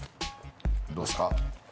どうですか？